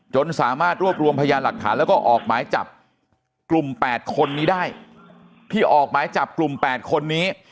จนสามารถรวบรวมพยานหลักฐานแล้วก็ออกหมายจับกลุ่ม๘คนนี้ได้